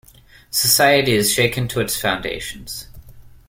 Society is shaken to its foundations.